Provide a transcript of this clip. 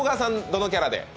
どのキャラで？